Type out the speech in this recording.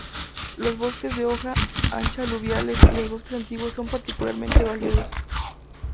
Los bosques de hoja ancha aluviales y los bosques antiguos son particularmente valiosos.